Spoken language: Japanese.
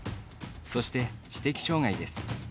そして、知的障がいです。